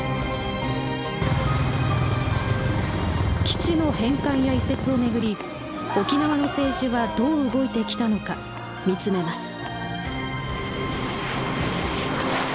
基地の返還や移設を巡り沖縄の政治はどう動いてきたのか見つめます。